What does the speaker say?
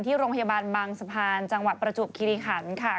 ที่โรงพยาบาลบางสะพานจังหวัดประจวบคิริขันค่ะ